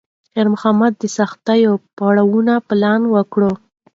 خیر محمد د سختو پړاوونو پلان وکړ.